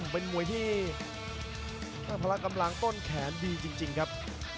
เป็นมวยที่พละกำลังต้นแขนดีจริงครับ